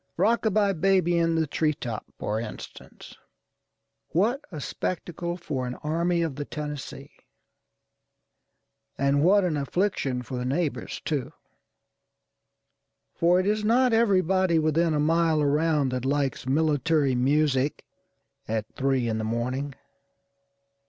â€"Rock a by Baby in the Tree top, for instance. What a spectacle for an Army of the Tennessee! And what an affliction for the neighbors, too; for it is not everybody within a mile around that likes military music at three in the morning.